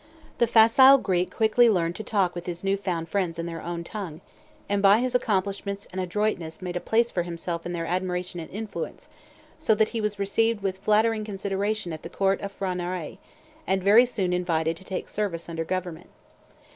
The facile Greek quickly learned to talk with his new found friends in their own tongue, and by his accomplishments and adroitness made a place for himself in their admiration and influence, so that he was received with flattering consideration at the Court of P'hra Narai, and very soon invited to take service under government.